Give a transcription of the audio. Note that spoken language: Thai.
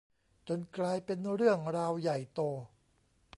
จนกลายเป็นเรื่องราวใหญ่โต